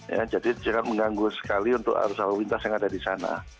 ya jadi sangat mengganggu sekali untuk arus lalu lintas yang ada di sana